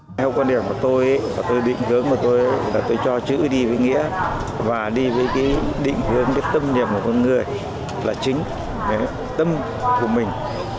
theo quan điểm của tôi tôi định hướng tôi cho chữ đi với nghĩa và đi với định hướng tâm nhập của con người là chính tâm của mình